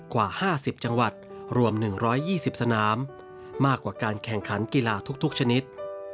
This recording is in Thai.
กว่า๕๐จังหวัดรวม๑๒๐สนามมากกว่าการแข่งขันกีฬาทุกชนิด